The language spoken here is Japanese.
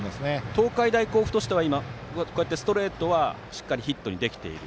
東海大甲府としてはストレートはしっかりヒットにできている。